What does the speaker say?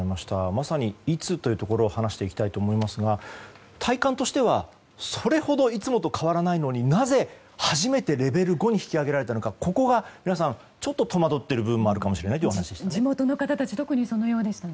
まさに、いつというところを話していきたいと思いますが体感としてはそれほどいつもと変わらないのになぜ初めてレベル５に引き上げられたのかここが皆さんちょっと戸惑っているかもしれないというお話でした。